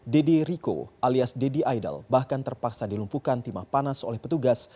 deddy rico alias deddy idol bahkan terpaksa dilumpukan timah panas oleh petugas